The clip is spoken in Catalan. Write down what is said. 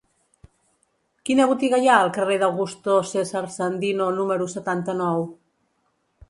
Quina botiga hi ha al carrer d'Augusto César Sandino número setanta-nou?